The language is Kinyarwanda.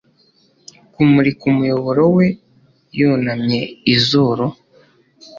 Kumurika umuyoboro we yunamye izuru